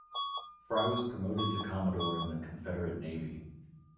Fry was promoted to Commodore in the Confederate Navy.